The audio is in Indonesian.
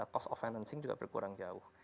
cost of financing juga berkurang jauh